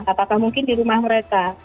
apakah mungkin di rumah mereka